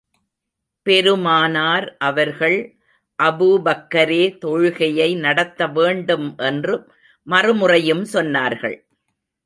பெருமானார் அவர்கள், அபூபக்கரே தொழுகையை நடத்த வேண்டும் என்று மறுமுறையும் சொன்னார்கள்.